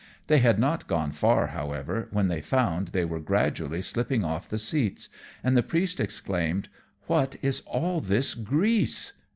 They had not gone far, however, when they found they were gradually slipping off the seats; and the Priest exclaimed, "What is all this grease?